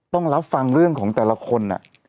ต้องรับฟังเรื่องของแต่ละคน